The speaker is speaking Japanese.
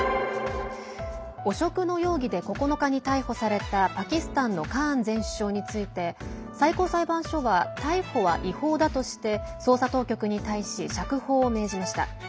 汚職の容疑で９日に逮捕されたパキスタンのカーン前首相について最高裁判所は逮捕は違法だとして捜査当局に対し釈放を命じました。